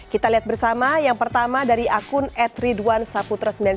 kita lihat bersama yang pertama dari akun ad ridwan saputra sembilan puluh sembilan